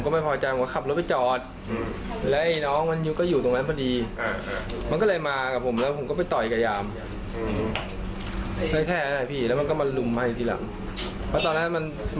คือสาเหตุก็คือจากการที่เขาว่าว่าเราเบิ้ลเครื่องรถถูกไหม